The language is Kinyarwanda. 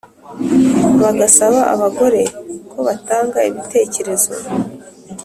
Bagasaba abagore ko batanga ibitekerezo